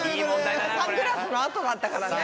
サングラスの後だったからね。